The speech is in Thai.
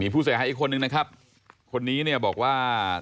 ผู้เสียหายอีกคนนึงนะครับคนนี้เนี่ยบอกว่า